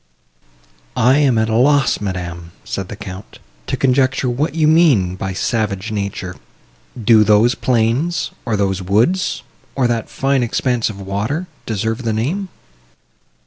"I am at a loss, madam," said the Count, "to conjecture what you mean by savage nature. Do those plains, or those woods, or that fine expanse of water, deserve the name?"